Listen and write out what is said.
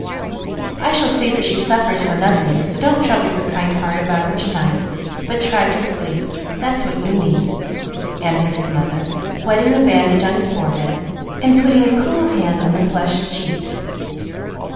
"I shall see that she suffers for nothing, so don't trouble your kind heart about her to night, but try to sleep; that's what you need," answered his mother, wetting the bandage on his forehead, and putting a cool hand on the flushed cheeks.